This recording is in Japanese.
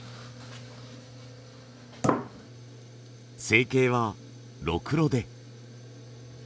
成形はろくろで。